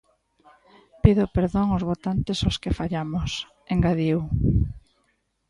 "Pido perdón aos votantes aos que fallamos", engadiu.